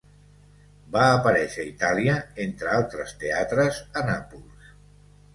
Va aparèixer a Itàlia, entre altres teatres a Nàpols.